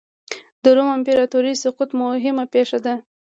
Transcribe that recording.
د روم د امپراتورۍ سقوط مهمه پېښه ده.